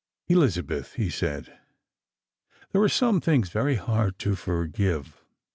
" Elizabeth," he said, " there are some things very hard to forgive.